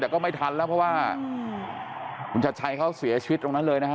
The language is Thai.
แต่ก็ไม่ทันแล้วเพราะว่าคุณชัดชัยเขาเสียชีวิตตรงนั้นเลยนะฮะ